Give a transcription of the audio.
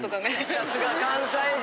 さすが関西人。